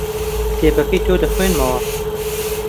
کتێبەکەی تۆ دەخوێنمەوە.